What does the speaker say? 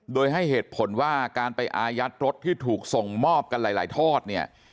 โดยให้เหตุผลว่าการไปอายัดรถที่ถูกส่งมอบกันหลายทอดเนี่ย